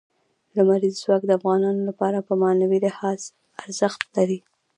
لمریز ځواک د افغانانو لپاره په معنوي لحاظ ارزښت لري.